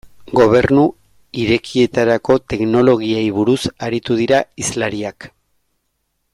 Gobernu Irekietarako teknologiei buruz aritu dira hizlariak.